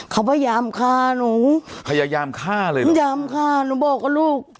เขาพยายามฆ่าหนูพยายามฆ่าเลยเหรอพยายามฆ่าหนูบอกลูก